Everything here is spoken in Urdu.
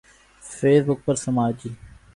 فیس بک پر سماجی